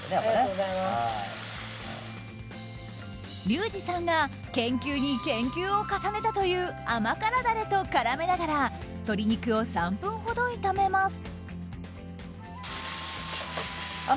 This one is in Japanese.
リュウジさんが研究に研究を重ねたという甘辛ダレと絡めながら鶏肉を３分ほど炒めます。